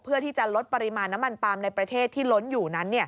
เพื่อที่จะลดปริมาณน้ำมันปาล์มในประเทศที่ล้นอยู่นั้น